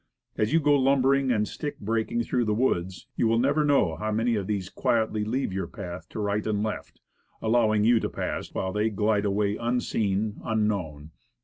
As you go lumbering and stick breaking through the woods, you will never know how many of these quietly leave your path to right and left, allowing you to pass, while they glide away, un seen, unknown.